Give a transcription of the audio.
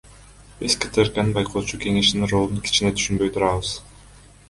Биз КТРКнын байкоочу кеңешинин ролун кичине түшүнбөй турабыз.